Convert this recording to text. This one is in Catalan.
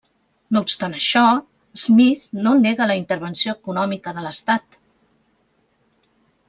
No obstant això, Smith no nega la intervenció econòmica de l'Estat.